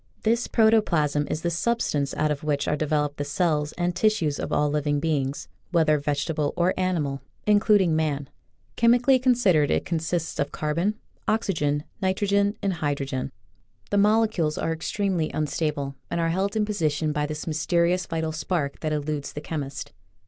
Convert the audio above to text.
This protoplasm is the substance out of which are developed the cells and tissues of all living beings, whether vegetable or ani mal, including man. Chemically considered, it consists of carbon, oxygen, nitrogen, and hydrogen. The molecules are extremely un Oriyinal from "< K UNIVERSITY OF WISCONSIN 50 flaturc's .flMraclca. stable and are held in position by this mysteri ous vital spark that eludes the chemist.